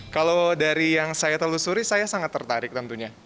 kalau dari yang saya telusuri saya sangat tertarik tentunya